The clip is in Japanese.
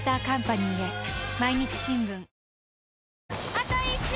あと１周！